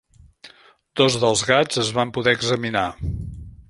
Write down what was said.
Dos dels gats es van poder examinar.